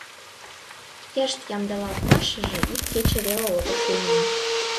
Йышт ямдылалтмашыже ик кече веле огыл шуйнен.